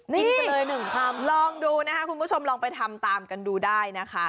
นี่ลองดูนะคะคุณผู้ชมลองไปทำตามกันดูได้นะคะ